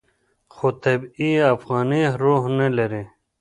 خو طبیعي افغاني روح نه لري.